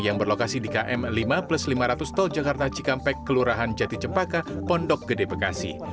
yang berlokasi di km lima plus lima ratus tol jakarta cikampek kelurahan jati cempaka pondok gede bekasi